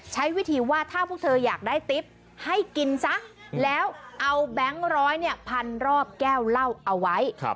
ใช้วิธีว่าถ้าพวกเธออยากได้ติ๊บให้กินซะแล้วเอาแบงค์ร้อยเนี่ยพันรอบแก้วเหล้าเอาไว้